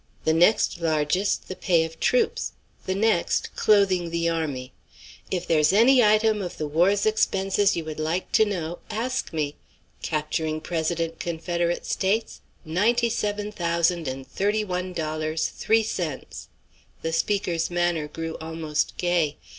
The next largest, the pay of troops; the next, clothing the army. If there's any item of the war's expenses you would like to know, ask me. Capturing president Confederate States ninety seven thousand and thirty one dollars, three cents." The speaker's manner grew almost gay.